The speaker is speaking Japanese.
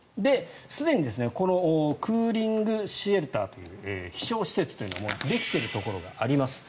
すでにこのクーリングシェルターという避暑施設ができてるところがあります。